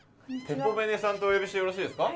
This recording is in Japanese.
てぽベネさんとお呼びしてよろしいですか？